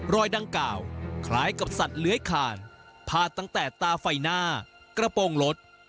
รอยดังกล่าวคล้ายกับสัตว์เลื้อยขานพาดตั้งแต่ตาไฟหน้ากระโปรงรถ